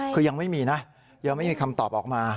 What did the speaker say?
คือยังไม่มีนะยังไม่มีคำตอบออกมา